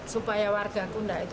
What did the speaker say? supaya warga saya tidak itu